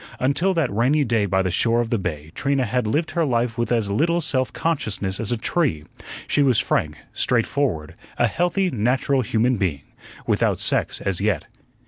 Until that rainy day by the shore of the bay Trina had lived her life with as little self consciousness as a tree. She was frank, straightforward, a healthy, natural human being, without sex as yet.